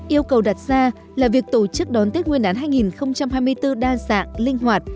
yêu cầu đặt ra là việc tổ chức đón tết nguyên đán hai nghìn hai mươi bốn đa dạng linh hoạt